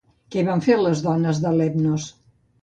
Què van fer les dones de Lemnos?